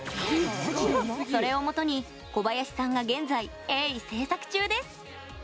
それをもとに小林さんが現在鋭意制作中です。